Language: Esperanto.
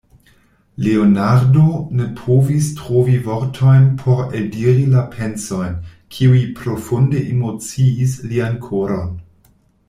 Leonardo ne povis trovi vortojn por eldiri la pensojn, kiuj profunde emociis lian koron.